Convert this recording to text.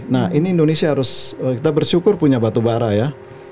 nah ini indonesia harus kita bersyukur punya batubara ya